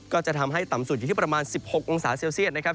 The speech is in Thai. ก็จะทำให้ต่ำสุดอยู่ที่ประมาณ๑๖องศาเซลเซียตนะครับ